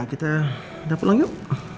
kita pulang yuk